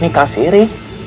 ini kak siri